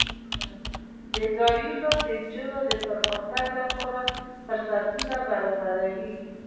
دا ځایونه د نجونو د پرمختګ لپاره فرصتونه برابروي.